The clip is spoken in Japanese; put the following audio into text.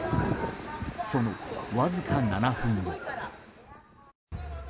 そのわずか７分後。